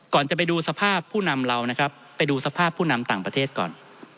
จะไปดูสภาพผู้นำเรานะครับไปดูสภาพผู้นำต่างประเทศก่อน